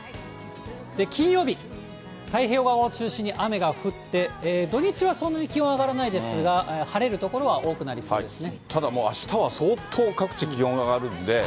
金曜日、太平洋側を中心に雨が降って、土日はそんなに気温上がらないですが、晴れる所は多くなりそうですね。